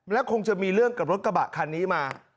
และคงจะมีเรื่องกับรถกระบะคันนี้มา